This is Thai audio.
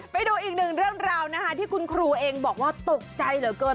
ไปดูอีกดังเรื่องราวที่คุณครูตกใจเหลือเกิน